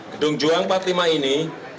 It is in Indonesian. gedung juang empat puluh lima ini